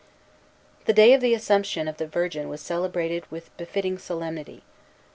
The day of the Assumption of the Virgin was celebrated with befitting solemnity.